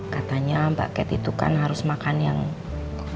katanya mbak kat itu kan harus makan yang